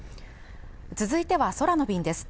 続いては空の便です